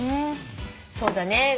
そうだね。